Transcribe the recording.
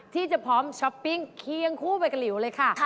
ที่จะพร้อมช้อปปิ้งเคียงคู่ไปกับหลิวเลยค่ะ